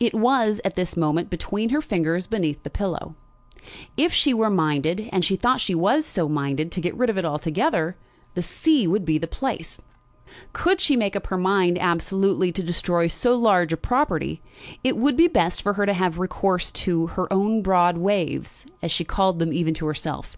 It was, at this moment, between her fingers beneath the pillow. If she were minded, and she thought she was so minded, to get rid of it altogether, the sea would be the place. Could she make up her mind absolutely to destroy so large a property, it would be best for her to have recourse to "her own broad waves," as she called them even to herself.